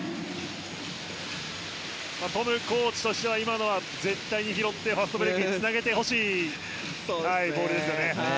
トムコーチとしては今のは絶対に拾ってファストブレークにつなげてほしいボールですね。